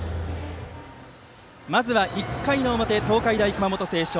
まずは１回の表、東海大熊本星翔。